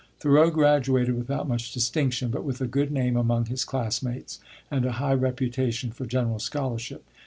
Thoreau graduated without much distinction, but with a good name among his classmates, and a high reputation for general scholarship.